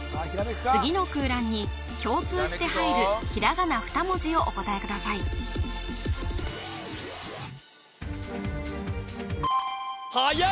次の空欄に共通して入るひらがな２文字をお答えくださいはやい！